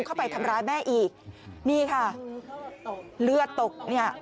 เข้าไปทำร้ายแม่อีกนี่ค่ะเลือดตกเนี่ย